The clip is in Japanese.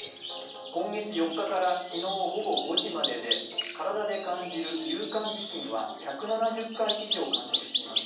今月４日から昨日午後５時までで体で感じる有感地震は１７０回以上、観測しています。